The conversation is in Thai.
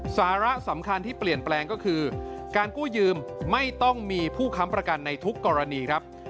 สาระสำคัญที่เปลี่ยนแปลงก็คือการกู้ยืมไม่ต้องมีผู้ค้ำประกันในทุกกรณีครับ